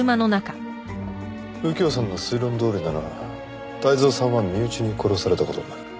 右京さんの推論どおりなら泰造さんは身内に殺された事になる。